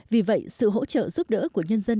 vì vậy sự hỗ trợ giúp đỡ của nhân dân